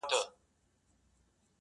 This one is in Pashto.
o تاته سلام په دواړو لاسو كوم؛